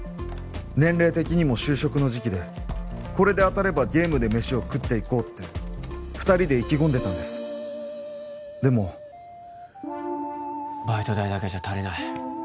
年齢的にも就職の時期でこれで当たればゲームでメシを食っていこうって二人で意気込んでたんですでもバイト代だけじゃ足りない